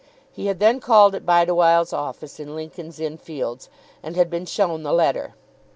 He had then called at Bideawhile's office in Lincoln's Inn Fields, and had been shown the letter.